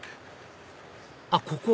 あっここ？